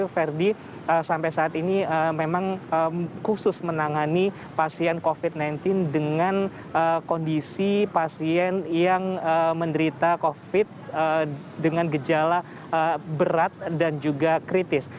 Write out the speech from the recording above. verdi sampai saat ini memang khusus menangani pasien covid sembilan belas dengan kondisi pasien yang menderita covid sembilan belas dengan gejala berat dan juga kritis